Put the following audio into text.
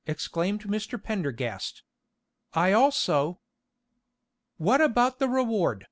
exclaimed Mr. Pendergast. "I also " "What about the reward?"